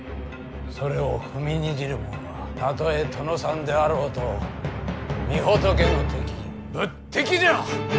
それを踏みにじるもんはたとえ殿さんであろうと御仏の敵仏敵じゃ！